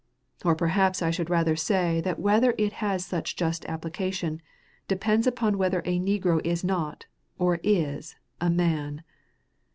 Or perhaps I should rather say that whether it has such just application, depends upon whether a negro is not, or is, a man.